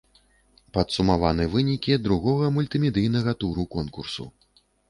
Падсумаваны вынікі другога, мультымедыйнага туру конкурсу.